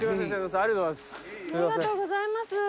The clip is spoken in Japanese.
ありがとうございます。